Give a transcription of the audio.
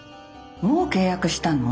もう契約したの？